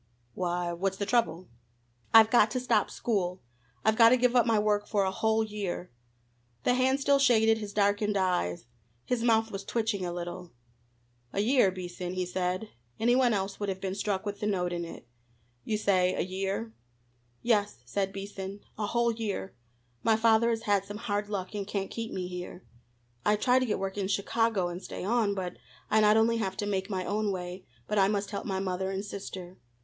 "Why, what's the trouble?" "I've got to stop school! I've got to give up my work for a whole year!" The hand still shaded his darkened eyes. His mouth was twitching a little. "A year, Beason?" he said any one else would have been struck with the note in it "You say a year?" "Yes," said Beason, "a whole year. My father has had some hard luck and can't keep me here. I'd try to get work in Chicago, and stay on, but I not only have to make my own way, but I must help my mother and sister.